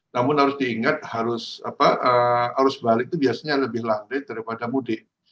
namun harus diingat arus balik itu biasanya lebih landai daripada mudik